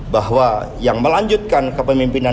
bahwa yang melanjutkan kepemimpinan